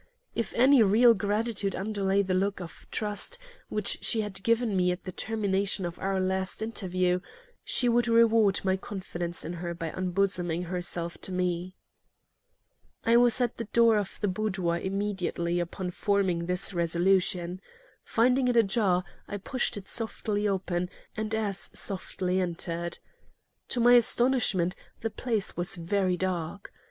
If any real gratitude underlay the look of trust which she had given me at the termination of our last interview, she would reward my confidence in her by unbosoming herself to me. I was at the door of the boudoir immediately upon forming this resolution. Finding it ajar, I pushed it softly open, and as softly entered. To my astonishment, the place was very dark.